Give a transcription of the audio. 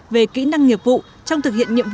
về kỹ năng nghiệp vụ trong thực hiện nhiệm vụ